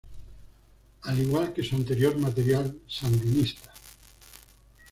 Al igual que su anterior material, "Sandinista!